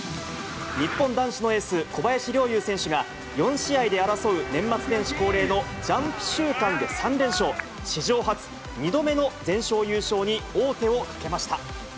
日本男子のエース、小林陵侑選手が、４試合で争う年末年始恒例のジャンプ週間で３連勝、史上初、２度目の全勝優勝に王手をかけました。